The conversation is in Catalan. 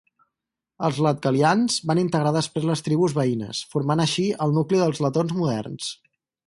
Els latgalians van integrar després les tribus veïnes, formant així el nucli dels letons moderns.